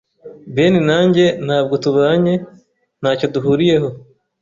Ben na njye ntabwo tubanye. Ntacyo duhuriyeho.